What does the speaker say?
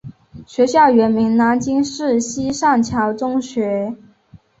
学校原名南京市西善桥中学。